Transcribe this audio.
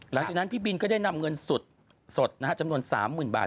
หลังจากนั้นพี่บินก็ได้นำเงินสดจำนวน๓๐๐๐บาท